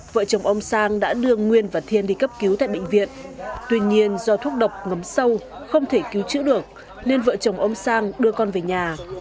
vợ chồng ông sang đã đưa nguyên và thiên đi cấp cứu tại bệnh viện tuy nhiên do thuốc độc ngấm sâu không thể cứu trữ được nên vợ chồng ông sang đưa con về nhà